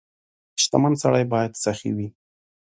• شتمن سړی باید سخي وي.